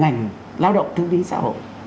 ngành lao động thương tính xã hội